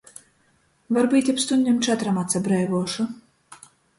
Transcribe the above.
Varbyut ap stuņdem četrom atsabreivuošu.